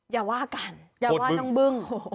อย่าว่ากันอย่าว่าน้องบึ้ง